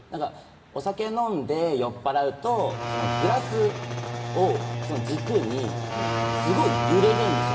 お酒飲んで酔っ払うとグラスを軸にすごい揺れるんですよ